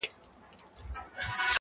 په للو دي هره شپه يم زنگولى؛